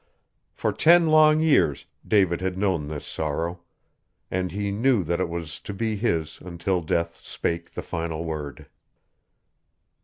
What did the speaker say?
For ten long years David had known this sorrow; and he knew that it was to be his until Death spake the final word.